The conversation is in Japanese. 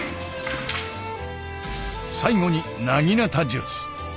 最後に薙刀術。